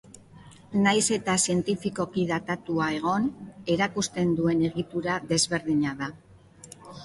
Nahiz eta zientifikoki datatua egon, erakusten duen egitura desberdina da.